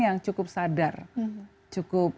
yang cukup sadar cukup